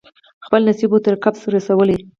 خپل نصیب وو تر قفسه رسولی